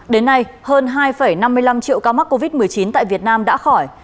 đến nay hơn hai năm mươi năm triệu ca mắc covid một mươi chín tại việt nam đã khỏi